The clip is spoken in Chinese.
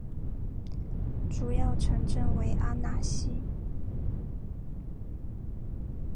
主要城镇为阿讷西。